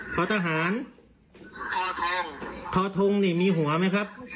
พอต้าหารทอธงทอธงเนี่ยมีหัวไหมครับ